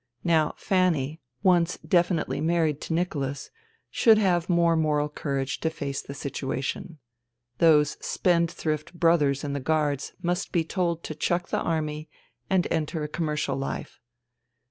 Now Fanny, once definitely married to Nicholas, should have more moral courage to face the situation. Those spendthrift brothers in the Guards must be told to chuck the army and enter a commercial life.